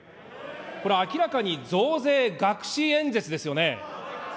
これ、明らかに増税隠し演説ですよね。